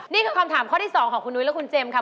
นี่คือคำถามข้อที่๒ของคุณนุ้ยและคุณเจมส์ค่ะ